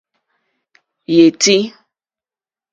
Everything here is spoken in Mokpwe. Yétì.